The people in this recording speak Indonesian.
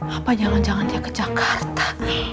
apa jangan jangan dia ke jakarta